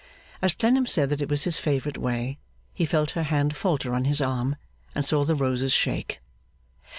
As Clennam said that it was his favourite way, he felt her hand falter on his arm, and saw the roses shake.